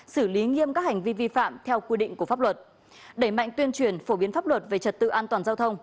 xử lý nghiêm các hành vi vi phạm theo quy định của pháp luật đẩy mạnh tuyên truyền phổ biến pháp luật về trật tự an toàn giao thông